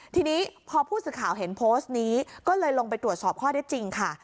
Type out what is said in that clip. ทีนี้พอผู้สื่อข่าวเห็นโพสต์นี้ก็เลยลงไปตรวจสอบข้อได้จริงค่ะ